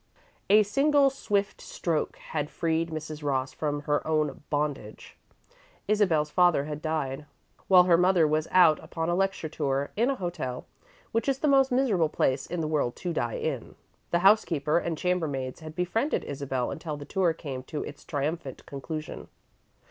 A single swift stroke had freed Mrs. Ross from her own "bondage." Isabel's father had died, while her mother was out upon a lecturing tour in a hotel, which is the most miserable place in the world to die in. The housekeeper and chambermaids had befriended Isabel until the tour came to its triumphant conclusion.